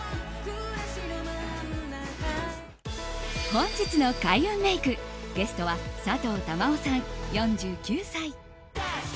本日の開運メイクゲストはさとう珠緒さん、４９歳。